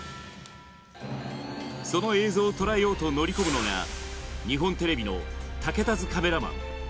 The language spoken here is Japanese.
その映像を捉えようと乗り込むのが、日本テレビの竹田津カメラマン。